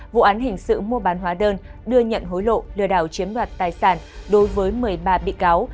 vụ án hình sự mua bán hóa đơn đưa nhận hối lộ lừa đảo chiếm đoạt tài sản đối với một mươi ba bị cáo